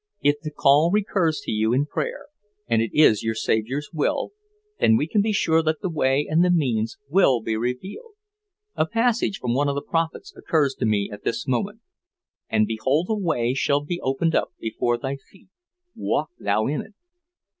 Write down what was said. If the call recurs to you in prayer, and it is your Saviour's will, then we can be sure that the way and the means will be revealed. A passage from one of the Prophets occurs to me at this moment; 'And behold a way shall be opened up before thy feet; walk thou in it.'